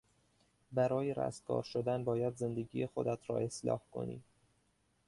برای رستگار شدن باید زندگی خودت را اصلاح کنی.